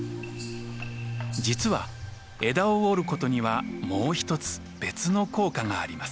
実は枝を折ることにはもうひとつ別の効果があります。